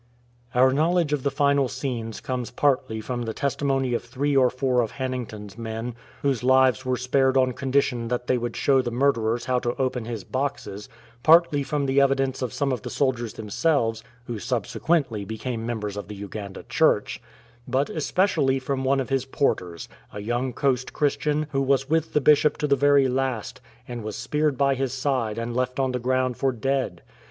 Our knowledge of the final scenes comes partly from the testimony of three or four of Hannington''s men, whose lives were spared on condition that they would show the murderers how to open his boxes, partly from the evidence of some of the soldiers themselves, who subsequently became members of the Uganda Church, but especially from one of his porters, a young coast Christian, who was with the Bishop to the very last, and was speared by his side and left on the ground for dead.